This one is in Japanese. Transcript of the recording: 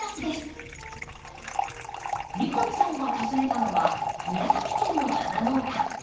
三上さんが訪ねたのは宮崎県の花農家。